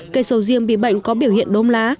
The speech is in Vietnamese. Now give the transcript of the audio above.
cây sầu riêng bị bệnh có biểu hiện đôm lá